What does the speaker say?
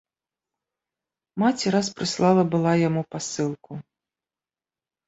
Маці раз прыслала была яму пасылку.